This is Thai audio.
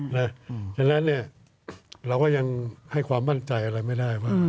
เพราะฉะนั้นเราก็ยังให้ความมั่นใจอะไรไม่ได้ว่า